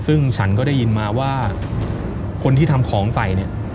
ซึ่งฉันก็ได้ยินมาว่าคนที่ทำของใส่เนี่ย